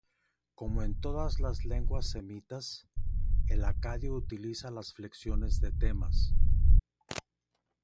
Como en todas las lenguas semitas, el acadio utiliza la flexión de temas.